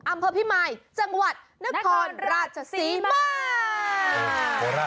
อำเภอพี่ไม้จังหวัดนครราชสีม่า